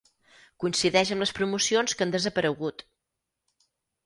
Coincideix amb les promocions que han desaparegut.